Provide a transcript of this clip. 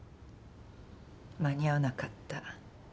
間に合わなかった。